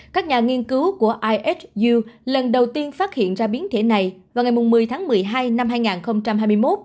các nhà nghiên cứu của is youe lần đầu tiên phát hiện ra biến thể này vào ngày một mươi tháng một mươi hai năm hai nghìn hai mươi một